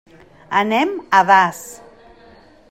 Anem a Das.